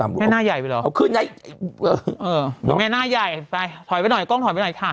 แม่หน้าใหญ่ไปเหรอเขาขึ้นได้เดี๋ยวแม่หน้าใหญ่ไปถอยไปหน่อยกล้องถอยไปหน่อยค่ะ